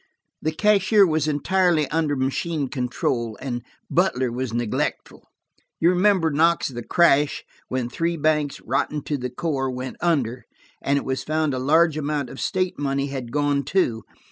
The cashier was entirely under machine control, and Butler was neglectful. You remember, Knox, the crash, when three banks, rotten to the core, went under, and it was found a large amount of state money had gone too.